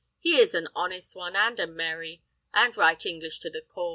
He is an honest one and a merry, and right English to the core.